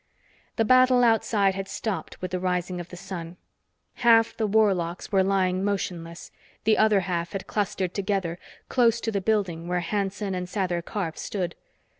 The battle outside had stopped with the rising of the sun. Half the warlocks were lying motionless, and the other half had clustered together, close to the building where Hanson and Sather Karf stood.